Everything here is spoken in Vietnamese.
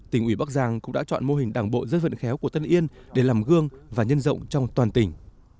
tỉnh ủy bắc giang cũng đã chọn mô hình đảng bộ dân vận khéo của tân yên để làm gương và nhân rộng trong toàn tỉnh